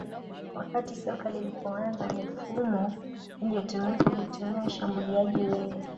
Wakati soka lilipoanza mifumo iliyotumika ilitumia washambuliaji wengi